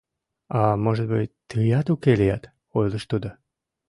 — «А, может быть, тыят уке лият», — ойлыш тудо.